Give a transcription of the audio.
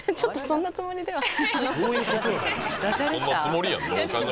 そんなつもりやん